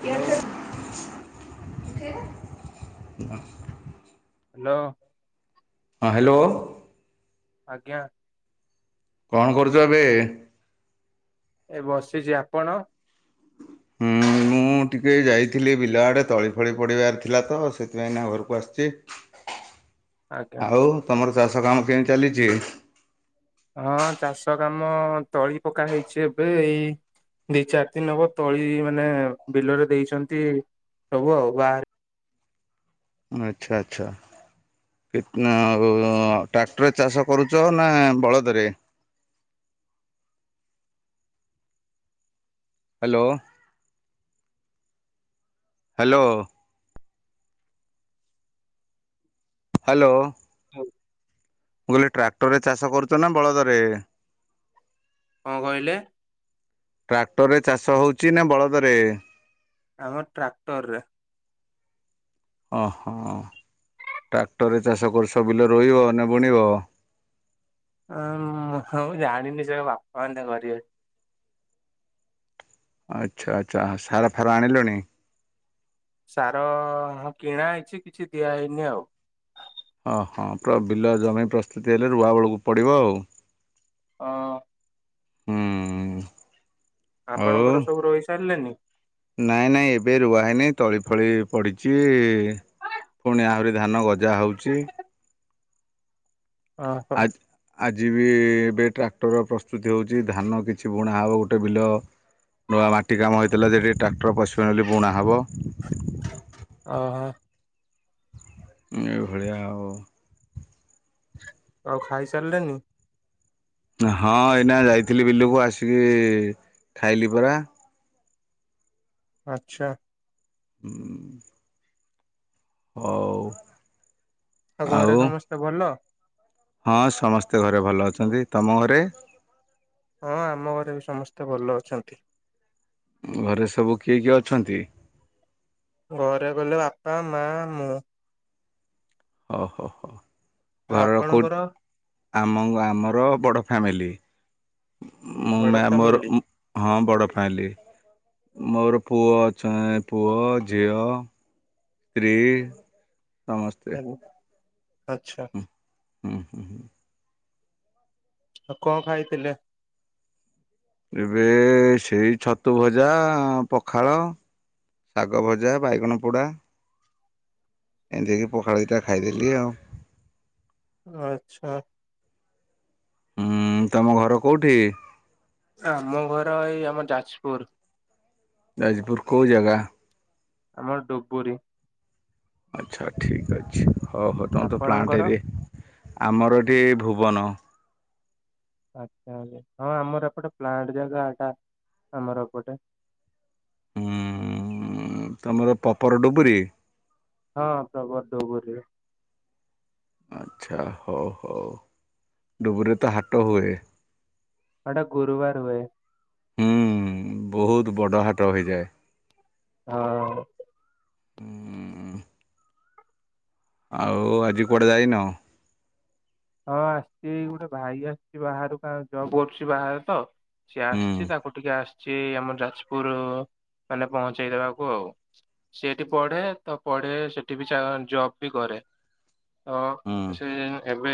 Hello [unintelligible] ହଁ hello! ଆଜ୍ଞା। କଣ କରୁଛ ଏବେ? ଏ ବସିଛି ଆପଣ? ହୁଁ। ମୁଁ ଟିକଏ ଯାଇଥିଲି ବିଲଆଡ଼େ ତଳି ଫଳି ପଡ଼ିବାର ଥିଲା ତ ସେଥିପାଇଁ ନା ଘରକୁ ଆସିଛି। ଆଜ୍ଞା ଆଉ ତମର ଚାଷ କାମ କେମି ଚାଲିଛି? ହଁ ଚାଷ କାମ ତଳି ପକା ହେଇଛି ଏବେ ଏଇ ଦି ଚାରି ଦିନ ହବ ତଳି ମାନେ ବିଲରେ ଦେଇଛନ୍ତି ସବୁ ଆଉ ବାହ ଆଚ୍ଛା ଆଚ୍ଛା। ଟ୍ରାକ୍ଟରରେ ଚାଷ କରୁଛ ନା ବଳଦରେ ହ୍ୟାଲୋ! ହ୍ୟାଲୋ! ହ୍ୟାଲୋ! ମୁଁ କହିଲି ଟ୍ରାକ୍ଟର ରେ ଚାଷ କରୁଛ ନା ବଳଦରେ? କଣ କହିଲେ? ଟ୍ରାକ୍ଟର ରେ ଚାଷ ହଉଚ ନା ବଳଦରେ? ଆମ ଟ୍ରାକ୍ଟରରେ। ଅ ହ। ଟ୍ରାକ୍ଟରରେ ଚାଷ କରୁଛ ବିଲ ରୋଇବ ନା ବୁଣିବ? ଉଁ ମୁଉଁ ଜାଣିନି ସେ ବାପା ମ କରିବେ। ଆଚ୍ଛା ଆଚ୍ଛା ସାରା ଫାର ଆଣିଲଣି? ସାର ହଁ କିଣା ହେଇଛି କିଛି ଦିଆହଇନି ଆଉ। ହଁ ହଁ ବିଲ ଜମି ପ୍ରସ୍ତୁତି ହେଲେ ରୁଆବେେଳକୁ ପଡ଼ିବ ଆଉ। ହଁ। ହୁଁ। ଆଉ ଆପଣଙ୍କର ସବୁ ରୋଇ ସାରିଲେନି? ନାଇଁ ନାଇଁ ଏବେ ରୁଆ ହେଇନି ତଳି ଫଳି ପଡିଚି ଇ ପୁଣି ଆହୁରି ଧାନ ଗଜା ହଉଚି। ଓ ହୋ। ଆଜି ବି ଏବେ ଟ୍ରାକ୍ଟର ପ୍ରସ୍ତୁତି ହେଉଛି ଧାନ କିଛି ବୁଣା ହେବ ଗୋଟେ ବିଲ। ନୂଆ ମାଟି କାମ ହେଇଥିଲା ଯେ ହେଠି ଟ୍ରାକ୍ଟର ପଶିବନି ବୋଲି ବୁଣା ହବ। ଓହୋ ଏ ଘଳିଆ ଆଉ। ଆଉ ଖାଇସାରିଲେନି। ହଁ ଏଇନା ଯାଇଥିଲି ବିଲକୁ ଆସିକି ଖାଇଲି ପରା। ଆଛା। ହୁଁ। ହଉ। ଆଉ ଘରେ ସମସ୍ତେ ଭଲ? ହଁ ସମସ୍ତେ ଘରେ ଭଲ ଅଛନ୍ତି ତମ ଘରେ? ହଁ ଆମ ଘରେ ବି ସମସ୍ତେ ଭଲ ଅଛନ୍ତି। ଘରେ ସବୁ କିଏ କିଏ ଅଛନ୍ତି? ଘରେ ଗଲେ ବାପା ମା ମୁଁ। ହଉ ହଉ ହଉ। ଘରର କୋଉ ଆପଣଙ୍କର। ଆମ ଆମର ବଡ଼ ଫ୍ୟାମିଲି। ମୁଁ ବଡ ମୋର ଫ୍ୟାମିଲି ହଁ। ବଡ଼ ଫ୍ୟାମିଲି ମୋର ପୁଅ ଅଛ ପୁଅ ଝିଅ। ସ୍ତ୍ରୀ ସମସ୍ତେ। ଆଚ୍ଛା। ହୁଁ ହୁଁ ହୁଁ ଆଉ କଣ ଖାଇଥିଲେ? ଏବେ ସେଇ ଛତୁ ଭଜା ପଖାଳ। ଶାଗ ଭଜା ବାଇଗଣ ପୋଡ଼ା। ଏନ୍ତି ହେଇକି କି ପଖାଳ ଦିଟା ଖାଇଦେଲି ଆଉ। ଆଚ୍ଛା। ହୁଁ ତମ ଘର କୋଉଠି? ଆମ ଘର ଏଇ ଆମ ଯାଜପୁର। ଯାଜପୁର କଉ ଜାଗା? ଆମର ଡ଼ୁବୁରୀ। ଆଚ୍ଛା ଠିକ ଅଛି ହଉ ହଉ ତମର ତ ପ୍ଲାଣ୍ଟ ଆପଣଙ୍କର? ଏରି ଆମର ଏଠି ଭୁବନ। ଆଛା ହଁ ଆମର ଏପଟେ ପ୍ଲାଣ୍ଟ ଜାଗାଟା। ଆମରଏ ପଟେ। ତୁମର ପପର ଡୁବରି। ହଁ ପ୍ରପର ଡ଼ୁବୁରୀ। ଆଚ୍ଛା ହଉ ହଉ ଡୁବୁରୀ ରେ ତ ହାଟ ହୁଏ। ଏଟା ଗୁରୁବାର ହୁଏ। ହୁଁ ବହୁତ ବଡ଼ ହାଟ ହେଇ ଯାଏ। ହଁ। ହୁଁ। ଆଉ ଆଜି କୁଆଡେ ଯାଇନ? ହଁ ଆସିଚି ଏଇ ଗୋଟେ ଭାଇ ଆସିଚି ବାହାରୁ ଆଉ ଜବ କରୁଚି ବାହାରେ ତ। ସିଏ ହୁଁ ଆସିଚି ତାକୁ ଟିକେ ଆସିଚି ଏଇ ଆମ ଯାଜପୁର। ମାନେ ପହଁଞ୍ଚେଇ ଦବାକୁ ଆଉ। ସେ ଏଠି ପଢେ ତ ପଢେ ସେଠି ବି ଚା ଜବ ବି କରେ। [inaudible] ତ ହୁଁ। ସେ ଏବେ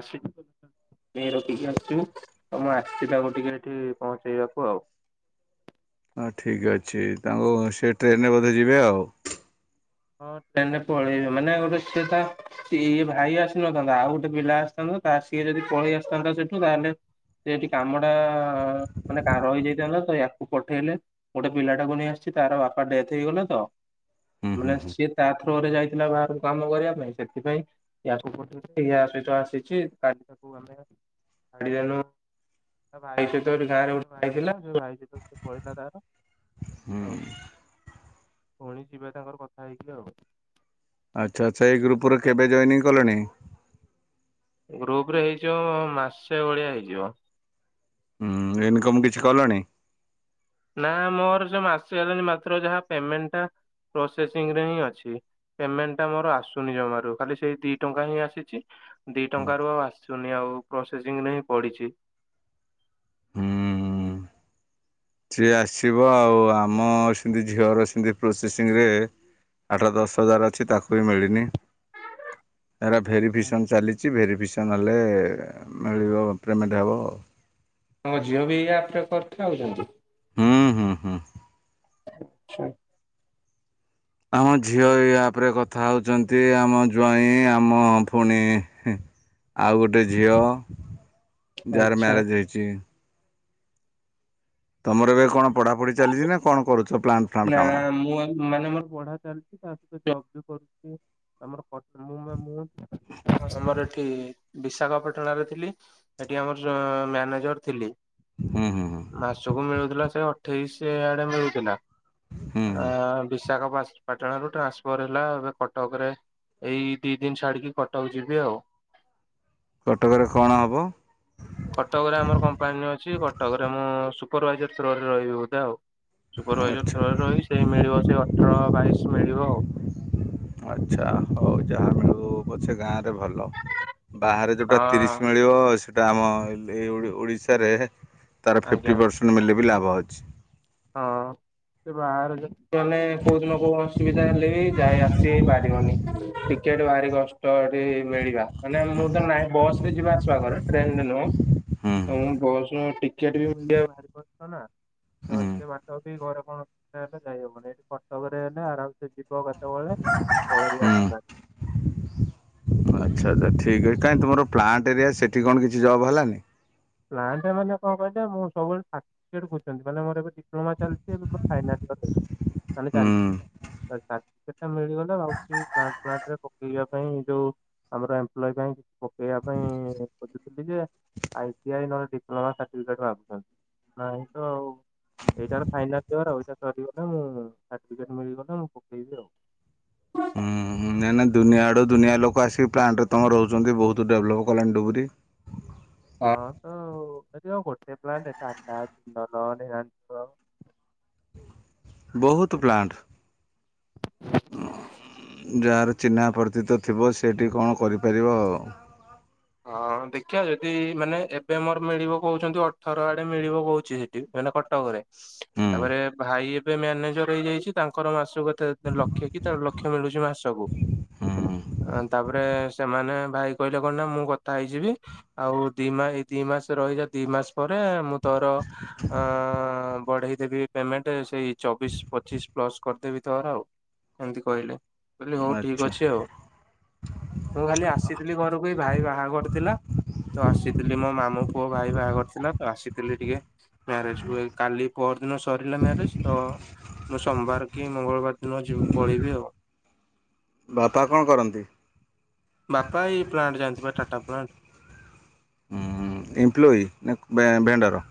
ଆସି ନେଇ ରଖିକି ଆସିଚୁ ଆଉ ମୁଁ ଆସିଥିଲି ଆକୁ ଟିକେ ଏଠି ପହଁଞ୍ଚେଇବାକୁ ଆଉ। ହଁ ଠିକ ଅଛି ତାଙ୍କୁ ସେ ଟ୍ରେନ ରେ ବୋଧେ ଯିବେ ଆଉ? ହଁ ଟ୍ରେନ ରେ ପଳେଇବେ ମାନେ ଗୋଟେ ସେ ତା ଇ ଇ ଭାଇ ଆସିନଥାନ୍ତା ଆଉ ଗୋଟେ ପିଲା ଆସିଥାନ୍ତା। [unintelligible] ତା ସିଏ ଯଦି ପଳେଇ ଆସିଥାନ୍ତା ସେଠୁ ତାହେଲେ ସେ ଏଠି କାମ ଟା ମାନେ କା ରହି ଯାଇଥାନ୍ତା ତ ୟାଙ୍କୁ ପଠେଇଲେ ଗୋଟେ ପିଲା ଟାକୁ ନେଇ ଆସିଛି ତାର ବାପା ଡେଥ ହେଇଗଲେ ତ। ହୁଁ। ହୁଁ ମାନେ ହୁଁ ସିଏ ତା ଥ୍ରୋରେ ଯାଇଥିଲା ବାହାରକୁ କାମ କରିଆ ପାଇଁ ସେଥିପାଇଁ ୟାକୁ ପଠେଇଚନ୍ତି ଇଏ ଆ ସହିତ ଆସି ଛି କାଲି ତାକୁ ଆମେ ଛାଡି ଦେଲୁ। ତା ଭାଇ ସହିତ ଏବେ ଗାଁ ରେ ଗୋଟେ ଭାଇ ଥିଲା ଯୋଉ ଭାଇ ସହିତ ସେ ପଳେଇଲା ତାର। ହୁଁ। ଆଉ ପୁଣି ଯିବେ ତାଙ୍କର କଥା ହେଇକି ଆଉ। ଆଚ୍ଛା ଆଚ୍ଛା ଏଇ ଗ୍ରୁପରେ କେବେ ଜଏନିଂ କଲେଣି? ଗ୍ରୁପ ରେ ହେଇଯିବ ମାସେ ଭଳିଆ ହେଇଯିବ। ଇନକମ କିଛି କଲଣି? ନା ମୋର ଯୋଉ ମାସେ ହେଲାଣି ମାତ୍ର ଯାହା ପେମେଣ୍ଟ ଟା ପ୍ରୋସେସିଂରେ ହିଁ ଅଛି। ପେମେଣ୍ଟଟା ମୋର ଆସୁନି ଜମାରୁ ଖାଲି ସେଇ ଦି ଟଙ୍କା ହିଁ ଆସିଛି। ଦି ହୁଁ। ଟଙ୍କାରୁ ଆଉ ଆସୁନି ଆଉ ପ୍ରୋସେସିଂରେ ହିଁ ପଡିଛି। ହୁଁ ହୁଁ। ସିଏ ଆସିବ ଆଉ ଆମ ସେମିତି ଝିଅର ସିମିତି ପ୍ରୋସେସିଂରେ ଆଠ ଦଶ ହଜାର ଅଛି ତାକୁ‌ କୁ ବି ମିଳିନି। ତାର ଭେରିଫିକିସନ ଚାଲିଚି ଭେରିଫି କିସନ ହେଲେ ମିଳିବ ପେମେଣ୍ଟ ହବ ଆଉ। ତମ ଝିଅ ବି ଏଇ ଆପ ରେ କଥା ହଉଚନ୍ତି? ହୁଁ ହୁଁ ହୁଁ। ଆଚ୍ଛା। ଆମ ଝିଅ ଏଇ ଆପ ରେ କଥା ହଉଚନ୍ତି ଆମ ଜ୍ୱାଇଁ ଆମ ପୁଣି ହିଁ ଆଉ ଗୋଟେ ଝିଅ ଯାହାର ଆଚ୍ଛା ମ୍ୟାରେଜ ହେଇଚି। ତମର ଏବେ କଣ ପଢାପଢି ଚାଲିଚି ନା କଣ କରୁଚ? ନା ମୁଁ ଆଁ ମାନେ ମୋର ପଢା ଚାଲିଚି ତା ସହିତ ଜବ ବି କରୁଚି। ଆମର କ ମୁଁ ବା ମୁଁ [inaudible] ଆମର ଏଠି ବିଶାଖାପାଟାଣାରେ ଥିଲି ଏଠି ଆମର ଜ ମ୍ୟାନେଜର ଥିଲି। ହୁଁ ହୁଁ ହୁଁ ମାସକୁ ମିଳୁଥିଲା ସେ ଅଠେଇଶି ଆଡେ ମିଳୁଥିଲା। ହୁଁ ହୁଁ ଆ ବିଶାଖା ବାସ୍ ପାଟାଣା ରୁ ଟ୍ରାନ୍ସଫର ହେଲା ଏବେ କଟକ ରେ ଏଇ ଦି ଦିନି ଛାଡିକି କଟକ ଯିବି ଆଉ। କଟକରେ କଣ ହେବ? କଟକରେ ଆମର କମ୍ପାନୀ ଅଛି କଟକରେ ମୁଁ ସୁ ପରଭାଇଜର ଥ୍ରୋ ରେ ରହିବି ବୋଧେ ଆଉ। ସୁପରଭାଇଜର ଆଚ୍ଛା ର ରେ ରହିବି ସେଇ ମିଳିବ ସେ ଅଠର ବାଇଶି ମିଳିବ ଆଉ। ଆଚ୍ଛା ହଉ ଯାହା ମିଳୁ ପଛେ ଗାଁରେ ଏ ଭଲ ବାହାରେ ଯୋଉଟା ତିରିଶି ହଁ ମିଳିବ ସେ ଟା ଆମ ଇ ଏଇ ଓଡ ଓଡ଼ିଶାରେ ତାର ଆଜ୍ଞା। ଫିଫ୍ଟି ପରସେଣ୍ଟ ମିଲିଲେ ବି ଲାଭ ଅଛି। ହଁ। ସେ ବାହାରେ ଯ ମାନେ କୋଉ ଦିନ କୋଉ ଅସୁବିଧା ହେଲେ ବି ଯାଇ ଆସି ହେଇ ପାରିବନି ଟିକେଟ ଭାରି କଷ୍ଟ ଏଠି ମିଳିବା ମାନେ ମୁଁ ତ ନାଇଁ ବସ ରେ ଯିବା ଆସିବା କରେ ଟ୍ରେନରେ ନୁହଁ ହୁଁ ତ ବସୁ ଟିକେଟ ବି ମି ବାହାର ନା ହୁଁ ତ ଏ ଘରେ କଣ ହେଲେ ଯାଇହବନି ଏଠି କଟକରେ ହେଲେ ଆରାମସ ଯିବ କେତେବେଳେ ପହିଲେ ହୁଁ ରାସ୍ତା ଆଛ ଆଛା ଠିକ୍ କାହିଁ ତମର ପ୍ଲାଣ୍ଟ ଏରିଆ ସେଠି କଣ କିଛି ଜବ ହେଲାନି ପ୍ଲାଣ୍ଟ ମାନେ କଣ କହିଲେ ମୁଁ ସବୁ ମାନେ ମୋର ଏବେ ଡିପ୍ଲୋମା ଚାଲିଛି ଫାଏନାଲୀ ହୁ ତା ସାରଟଫିକେଟ ମିଳିଗଲେ ଭାବୁଥିଲି ପ୍ଲାଣ୍ଟ ପ୍ଲାଣ୍ଟ ପକେଇବା ପାଇଁ ଯୋଉ ଆମର ଏମ୍ପ୍ଲ ପାଇଁ କିଛି ପକେଇବା ପାଇଁ ଖୋଜୁଥିଲି ଯେ ଆ ଟି ଆଇ ନହେଲେ ଡିପ୍ଲୋମା ସାର୍ଟିଫିକେଟ ଭାଗୁଛନ୍ତି ନାଁ ତ ଆଉ ଏଇଟା ୟାର ଫାଇନାଲ ୟେର୍ ଏଇଟା ସରିଗଲେ ମୁଁ ସାଟିଫିକେଟ ମିଳିବତ ମୁଁ ପକେଇବି ଆଉ [inaudible] ହୁଁ ନାଇଁ ନଁ ଦୁନିଆଡ଼ୁ ଦୁନିଆ ଲୋକ ଆସିକି ପ୍ଲାଣ୍ଟରେ ତମେ ରହୁଛନ୍ତି ବହୁତ ଡେଭଲପ୍ କଲାଣି ଡୁବୁରୀ ହଁ ତ ଏ ଗୋଟେ ପ୍ଲାଣ୍ଟ ଟାଟା ଜିନ୍ଦଲ ନୀଲାଞ୍ଚଳ [inaudible] ବହୁତ ପ୍ଲାଣ୍ଟ ହୁ ଉ ଗାଁ ରେ ଚିହ୍ନା ପରିଚିତ ଥିବ ସିଏ ଟିକେ କରିପାରିବ ଆଉ ହଁ ଦେଖିବା ଯଦି ମାନେ ଏବେ ମୋର ମିଳିବ କହୁଛନ୍ତି ଅଠର ଆଡେ ମିଳିବ କହୁଛି ସେଠି ମାନେ କଟକରେ ତାପରେ ହୁଁ ଭାଇ ଏ ମ୍ୟାନେଜର ହେଇଯାଇଛି ତାଙ୍କର ମାସକୁ କେତେ ଲକ୍ଷ କି ଦେ ଲକ୍ଷ୍ୟ ମିଳୁଛି ମାସକୁ ହୁଁ ତାପରେ ସେମାନେ ଭାଇ କହିଲେ କଣ ନା ମୁଁ କଥା ହେଇଯିବି ଆଉ ଦି ମାସ ଦି ମାସ ରହିଯା ଦି ମାସ ପରେ ମୁଁ ତୋର ଆ ଆ ବଢେଇଦବି ପେମେଣ୍ଟ ସେଇ ଚବିଶ ପଚିଶ ପ୍ଲସ କରିଦେବି ତର ଆଉ ଏମିନ୍ତି କହିଲେ। ବୋଲି ହଉ ଠିକ ଆଚ୍ଛା ଅଛି ଆଉ ମୁଁ ଖାଲି ଆସିଥିଲି ଘରକୁ ଏଇ ଭାଇ ବାହାଘରଥିଲା ତ ଆସିଥିଲି ମୋ ମାମୁ ପୁଅ ଭାଇ ବାହାଘର ଥିଲା ତ ଆସିଥିଲି ଟିକେ ମ୍ୟାରେଜୁ କାଲି ପଅ ପ ର ଦିନ ସରିଲେ ମ୍ୟାରେଜ ତ ମୁଁ ସୋମବାର କି ମଙ୍ଗଳବାର ଦିନ ଯି ପଳେଇିବି ଆଉ ବାପା କଣ କରନ୍ତି? ବାପା ଏଇ ପ୍ଲାଣ୍ଟ ଜାଆନ୍ତି ପା ଟାଟା ପ୍ଲାଣ୍ଟ ଏଇମ୍ପ୍ଲୋଇି ନା ଭେ ଭେଣ୍ଡର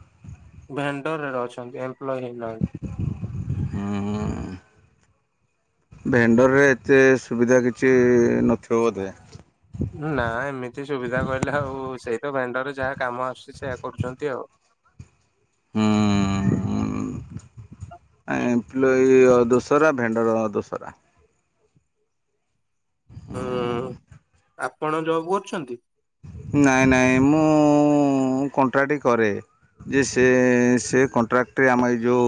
ଭେଣ୍ଡରରେ ଅଛନ୍ତି ଏମ୍ପ୍ଲୟ ହେଇ ନାହାନ୍ତି ହୁଁ ଭେଣ୍ଡରରେ ଏତେ ସୁବିଧା କିଛି ନଥିବ ବୋଧେ ନା ଏମିତି ଏଠି ସୁବିଧା କହିଲେ ଆଉ ସେଇ ତ ବେଣ୍ଡରେ ଯାହା କାମ ଆସୁଛି ସେ କରୁଛନ୍ତି ଆଉ ହୁ ହୁ ପିଅର ଦୋସରା ଭେଣ୍ଡର ଦୋସରା ହଁ ଆପଣ ଜବ୍ କରୁଛନ୍ତି ନାଇଁ ନାଇଁ ମୁଁ ମୁ କଣ୍ଟ୍ରାକ୍ଟ କରେ ଯେ ସେ ସେ କଣ୍ଟ୍ରାକ୍ଟରେ ଆମ ଏଇ ଯେଉଁ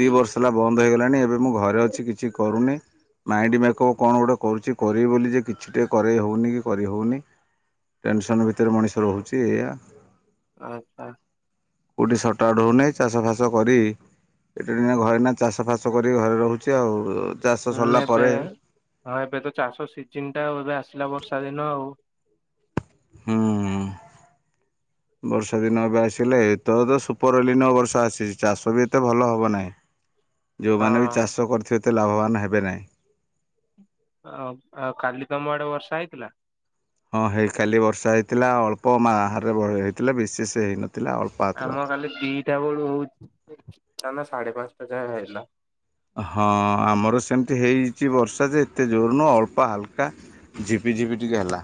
ଦି ବର୍ଷ ହେଲା ବନ୍ଦ ହେଇଗଲାଣି ଏବେ ମୁଁ ଘରେ ଅଛି କିଛି କରୁନି ମାଇଣ୍ଡ ମେକ ଅପ କଣ ଗୋଟେ କରୁଛି କରିବି ବୋଲି ଯେ କିଛି ଟେ କରେଇହଉନି କି କରି ହେଉନି ଟେନସନ୍ ଭିତରେ ମଣିଷ ରହୁଛି ଏଇଆ ଆହା କୋଉଠି ସଟା ଆଉଟୁ ହଉନି ଚାଷ ଫାସ କରି ଏତେ ଦିନ ହେଲା ଘରେ ନାଁ ଚାଷ ଫାସ ଚାଷ କରିକି ଘରେ ରହୁଛି ଆଉ ଚାଷ ହୁଁ ସରିଲା ଏବେ ପରେ ହଁ ଏବେ ତ ଚାଷ ସିଜିନ ଟା ଏବେ ଆସ ଆସିଲା ବର୍ଷା ଦିନ ଆଉ ହୁଁ ବର୍ଷା ଦିନ ଏବେ ଆସିଲେ ଏତ ତ ସୁପର ଏଲଲିନ ବର୍ଷା ଆସିଛି ଚାଷ ବି ଏତେ ଭଲ ହବ ନାହିଁ। ଯେଉଁମାନେ ବି ହଁ। ଚାଷ କରିଥିବେ ଏତେ ଲାଭବାନ ହେବେ ନାହିଁ। ଆ ଆଉ କାଲି ତମ ଆଡେ ବର୍ଷା ହେଇଥିଲା? ହଁ ହେଇ କାଲି ବର୍ଷା ହେଇଥିଲା ଅଳ୍ପ ମାହରେ ହେଇଥିଲା ବିଶେଷ ହେଇନଥିଲା। ଅଳ୍ପ ମାତ୍ରା ଆମ କାଲି ଦିଟା ବେଳୁ ହଉଛି ସାଢେ ପାଞ୍ଚଟା ଯାଏ ହେଲା। ହଁ ଆମର ସେମିତି ହେଇଛି ବର୍ଷା ଯେ ଏତେ ଜୋର ନୁହଁ ଅଳ୍ପ ହାଲକା ଝିପିଝିପି ଟିକେ ହେଲା।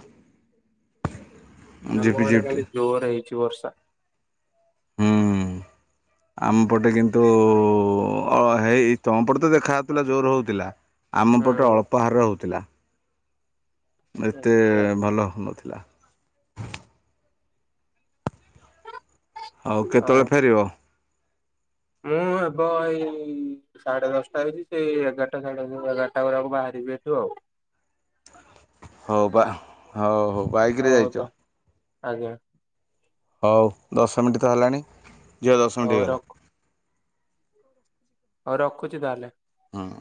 ଆମ ଆଡେ ଝିପିଝିପି ଖାଲି ଜୋର ହେଇଛି ବର୍ଷା। ହଁ ଆମ ପଟେ କିନ୍ତୁ ହେଇ ତମପଟେ ତ ଦେଖାାଯଉଥିଲା ଜୋର ହଉଥିଲା। ଆମ ହୁଁ ପଟେ ଅଳ୍ପ ହାରରେ ହେଉଥିଲା। ଏତେ ଆଛା। ଭଲ ହଉନଥିଲା। ଆଉ ହଁ କେତେବେଳେ ଫେରିବ? ମୁଁ ହେବ ଏଇ ସାଢେ ଦଶଟା ହେଇଛି ସେଇ ଏଗାରଟା ସାଢେ ଏଗାରଟା ବେଳକୁ ବାହାରିବି ସେଠୁ ଆଉ। ହଉ ବା ହଉ ହଉ ବାଇକରେ ହଉ ତା ଯାଇଛ? ଆଜ୍ଞା। ହଉ ଦଶ ମିନିଟ୍ ତ ହେଲାଣି ଝିଅ ଦଶ ମିନିଟ୍ ହଉ ହେଇଗଲା। ରଖ ହଉ ରଖୁଛି ତାହେଲେ। ହଁ।